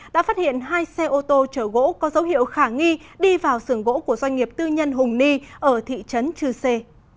đã phát hiện hai xe ô tô chở gỗ có dấu hiệu khả nghi đi vào sưởng gỗ của doanh nghiệp tư nhân hùng ni ở thị trấn chư sê